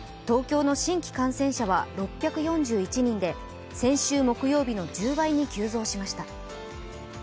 東京の新規感染者は６４１人で先週木曜日の１０倍に急増しました。